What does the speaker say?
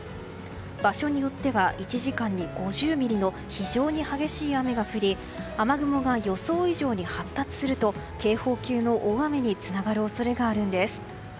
場所によっては１時間に５０ミリの非常に激しい雨が降り雨雲が予想以上に発達すると警報級の大雨につながる恐れがあるんです。